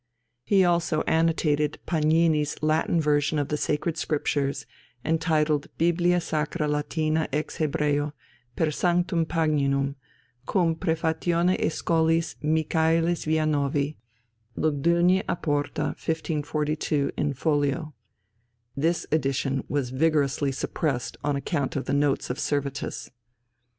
He also annotated Pagnini's Latin version of the Sacred Scriptures, entitled _Biblia sacra latina ex hebraeo, per Sanctum Pagninum, cum praefatione et scholiis Michaelis Villanovani (Michel Servet). Lugduni, a Porta_, 1542, in folio. This edition was vigorously suppressed on account of the notes of Servetus.